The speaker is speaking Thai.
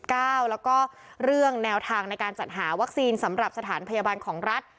แล้วก็เรื่องแนวทางในการจัดหาวัคซีนสำหรับสถานพยาบาลของรัฐ